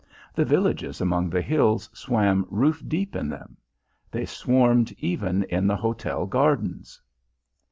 The villages among the hills swam roof deep in them. They swarmed even in the hotel gardens.